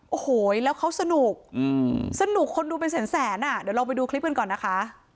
โอ้โหแล้วเขาสนุกสนุกคนดูเป็นแสนอ่ะเดี๋ยวลองไปดูคลิปกันก่อนนะคะ